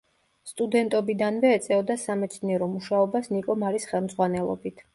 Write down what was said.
სტუდენტობიდანვე ეწეოდა სამეცნიერო მუშაობას ნიკო მარის ხელმძღვანელობით.